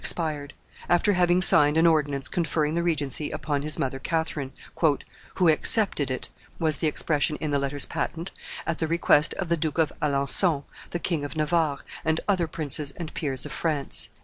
expired, after having signed an ordinance conferring the regency upon his mother Catherine, "who accepted it," was the expression in the letters patent, "at the request of the Duke of Alencon, the King of Navarre, and other princes and peers of France."